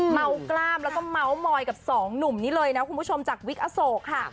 เมากล้ามแล้วก็เมาส์มอยกับสองหนุ่มนี้เลยนะคุณผู้ชมจากวิกอโศกค่ะ